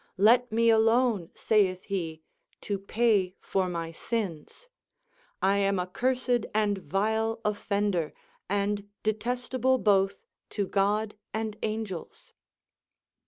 Let me alone, saith he, to pay for my sins : I am a cursed and vile offen der, and detestable both to God and angels.